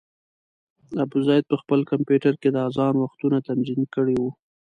ابوزید په خپل کمپیوټر کې د اذان وختونه تنظیم کړي وو.